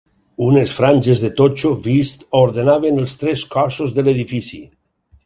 Unes franges de totxo vist ordenaven els tres cossos de l'edifici.